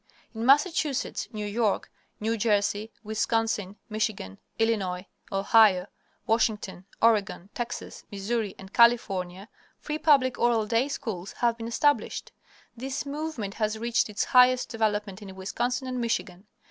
In Massachusetts, New York, New Jersey, Wisconsin, Michigan, Illinois, Ohio, Washington, Oregon, Texas, Missouri, and California, free public oral day schools have been established. This movement has reached its highest development in Wisconsin and Michigan.